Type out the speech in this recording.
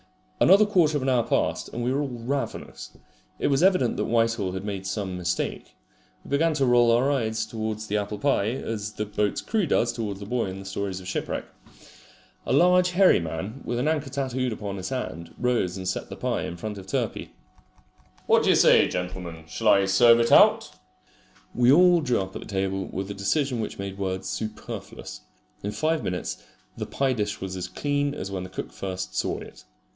Another quarter of an hour passed, and we were all ravenous. It was evident that Whitehall had made some mistake. We began to roll our eyes towards the apple pie, as the boat's crew does towards the boy in the stories of shipwreck. A large hairy man, with an anchor tattooed upon his hand, rose and set the pie in front of Turpey. "What d'you say, gentlemen, shall I serve it out?" We all drew up at the table with a decision which made words superfluous. In five minutes the pie dish was as clean as when the cook first saw it.